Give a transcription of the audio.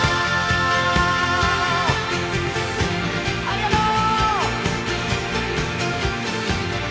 ありがとう！